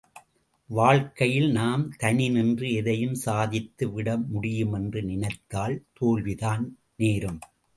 வாழ்க்கையில் நாம் தனி நின்று எதையும் சாதித்து விட முடியும் என்று நினைத்தால் தோல்விதான் நேரும்.